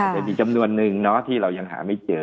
แต่มีจำนวนนึงที่เรายังหาไม่เจอ